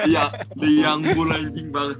ya de jonggboul anjing banget